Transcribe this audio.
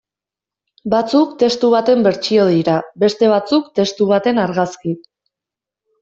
Batzuk testu baten bertsio dira, beste batzuk testu baten argazki.